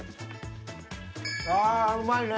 ああうまいね。